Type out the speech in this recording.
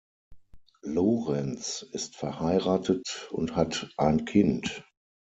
Lorenz ist verheiratet und hat ein Kind.